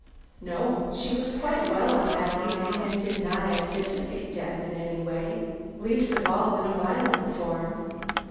"No. She was quite well on that evening, and did not anticipate death in any way least of all in a violent form.